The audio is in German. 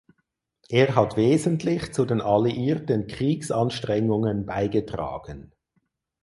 Er hat wesentlich zu den alliierten Kriegsanstrengungen beigetragen.